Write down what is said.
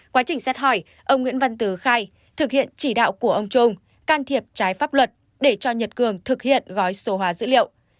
quá trình xét hỏi ông nguyễn văn tứ khai thực hiện chỉ đạo của ông trung can thiệp trái pháp luật để cho nhật cường thực hiện gói số hóa dữ liệu